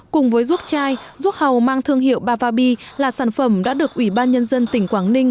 cùng với ruốc chai ruốc hầu mang thương hiệu bavabi là sản phẩm đã được ủy ban nhân dân tỉnh quảng ninh